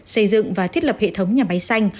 xây dựng và thiết lập hệ thống nhà máy xanh